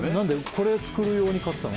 これ作る用に買ってたの？